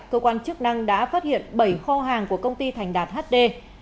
cơ quan chức năng đã phát hiện bảy kho hàng của công ty thành đạt hd